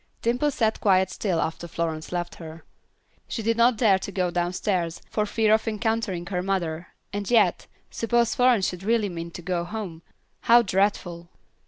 Dimple sat quite still after Florence left her. She did not dare to go downstairs for fear of encountering her mother, and yet, suppose Florence should really mean to go home. How dreadful!